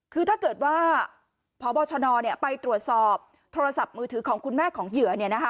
คือถ้าเกิดว่าพบชนไปตรวจสอบโทรศัพท์มือถือของคุณแม่ของเหยื่อ